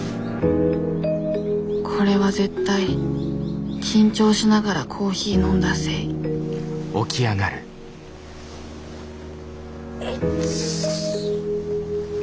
これは絶対緊張しながらコーヒー飲んだせいいっつ。